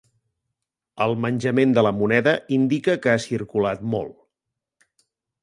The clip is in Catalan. El menjament de la moneda indica que ha circulat molt.